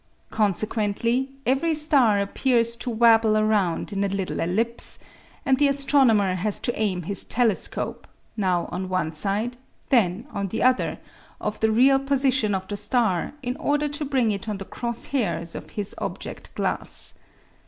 Consequently every star appears to wabble around in a little ellipse and the astronomer has to aim his telescope, now on one side, then on the other, of the real position of the star in order to bring it on the cross hairs of his object glass.